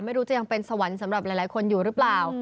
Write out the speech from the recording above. ไม่รู้จะยังเป็นสวรรค์สำหรับหลายคนอยู่หรือเปล่า